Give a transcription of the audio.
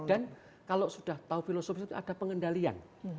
dan kalau sudah tahu filosofi itu ada pengendalian